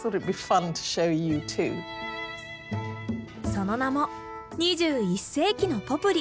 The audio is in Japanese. その名も２１世紀のポプリ！